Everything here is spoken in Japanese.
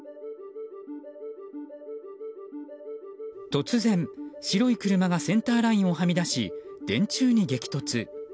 突然、白い車がセンターラインをはみ出し電柱に激突。